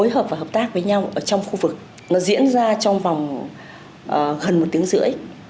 hợp và hợp tác với nhau ở trong khu vực nó diễn ra trong vòng gần một tiếng rưỡi